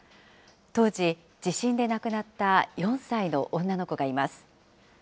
当時、地震で亡くなった４歳の女の子がいます。